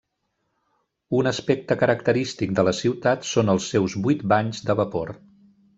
Un aspecte característic de la ciutat són els seus vuit banys de vapor.